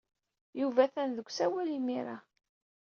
Yuba atan deg usawal imir-a.